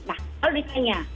nah kalau ditanya